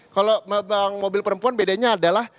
kalau memang mobil perempuan bedanya adalah